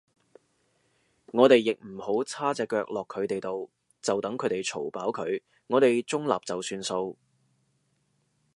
我哋亦唔好叉隻腳落佢哋度，就等佢哋嘈飽佢，我哋中立就算數